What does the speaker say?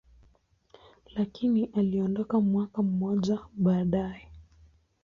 lakini aliondoka mwaka mmoja baadaye.